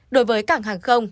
đối với cảng hàng không